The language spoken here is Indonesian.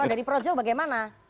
kalau dari projo bagaimana